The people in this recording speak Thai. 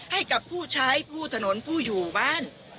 ให้กับผู้ใช้ผู้ถนนผู้อยู่บ้าน